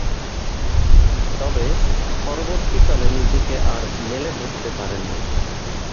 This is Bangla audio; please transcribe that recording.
তবে, পরবর্তীকালে নিজেকে আর মেলে ধরতে পারেননি।